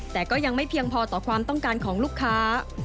แต่ก็ยังไม่เพียงพอต่อความต้องการของลูกค้า